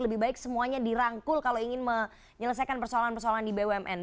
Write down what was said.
lebih baik semuanya dirangkul kalau ingin menyelesaikan persoalan persoalan di bumn